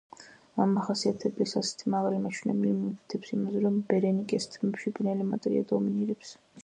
ამ მახასიათებლის ასეთი მაღალი მაჩვენებელი მიუთითებს იმაზე, რომ ბერენიკეს თმებში ბნელი მატერია დომინირებს.